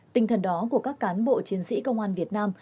tinh thần đó của các cán bộ chiến sĩ công an việt nam